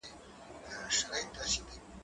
زه به درسونه اورېدلي وي!؟